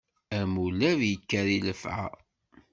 Amulab ikker i llafɛa.